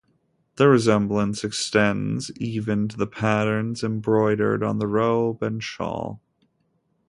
The resemblance extends even to the patterns embroidered on the robe and shawl.